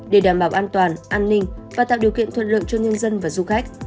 để đảm bảo an toàn an ninh và tạo điều kiện thuận lợi cho nhân dân và du khách